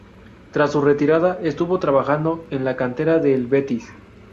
Tras su retirada estuvo trabajando en la cantera del Betis.